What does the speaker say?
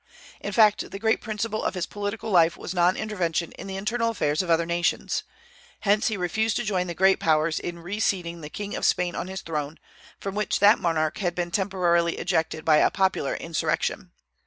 In fact, the great principle of his political life was non intervention in the internal affairs of other nations. Hence he refused to join the great Powers in re seating the king of Spain on his throne, from which that monarch had been temporarily ejected by a popular insurrection.